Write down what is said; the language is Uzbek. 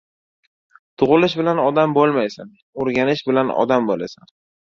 • Tug‘ilish bilan odam bo‘lmaysan, o‘rganish bilan odam bo‘lasan.